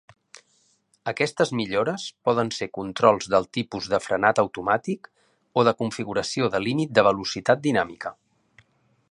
Aquestes millores poden ser controls del tipus de frenat automàtic o de configuració de límit de velocitat dinàmica.